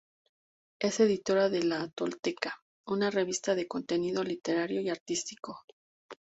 Es editora de "La Tolteca", una revista de contenido literario y artístico.